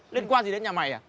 liên quan gì đến nhà mày à